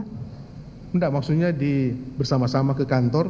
tidak maksudnya bersama sama ke kantor